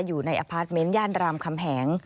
อยู่ในอพาร์ทเมนต์ย่านรามคำแหง